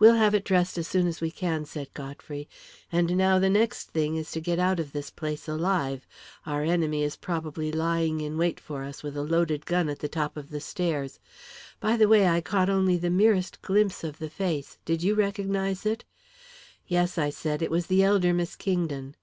"We'll have it dressed as soon as we can," said Godfrey. "And now the next thing is to get out of this place alive. Our enemy is probably lying in wait for us with a loaded gun at the top of the stairs. By the way, I caught only the merest glimpse of the face. Did you recognise it?" "Yes," I said; "it was the elder Miss Kingdon."